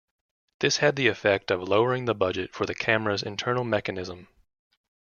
This had the effect of lowering the budget for the camera's internal mechanism.